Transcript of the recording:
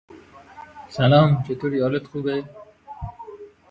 The result is plural quantification.